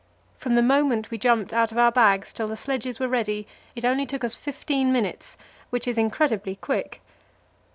From the moment we jumped out of our bags till the sledges were ready, it only took us fifteen minutes, which is incredibly quick.